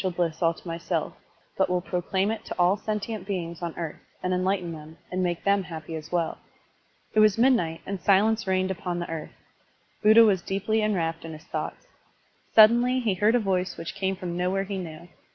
189 Digitized by Google 190 SERMONS OF A BUDDHIST ABBOT bliss all to myself, but will proclaim it to all sentient beings on earth, and enlighten them, and make them happy as well." It was midnight and silence reigned upon the earth. Buddha was deeply enwrapt in his thoughts. Suddenly he heard a voice which came from nowhere he knew.